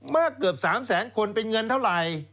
เกือบ๓แสนคนเป็นเงินเท่าไหร่